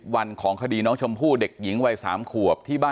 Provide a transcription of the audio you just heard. ๗๐วันของคดีน้องชมผู้เด็กหญิงวัย๓ขวบ